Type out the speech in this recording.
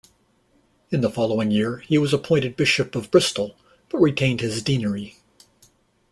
In the following year he was appointed bishop of Bristol, but retained his deanery.